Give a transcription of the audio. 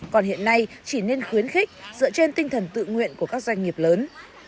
còn hiện nay chỉ nên khuyến khích dựa trên tinh thần tự nguyện của các doanh nghiệp lớn